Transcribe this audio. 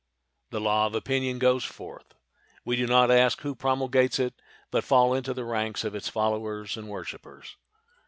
The law of opinion goes forth. We do not ask who promulgates it, but fall into the ranks of its followers and worshipers.